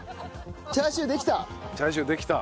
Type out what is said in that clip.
チャーシューできた！